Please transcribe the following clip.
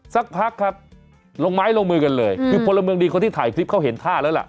สักพักครับลงไม้ลงมือกันเลยคือพลเมืองดีคนที่ถ่ายคลิปเขาเห็นท่าแล้วล่ะ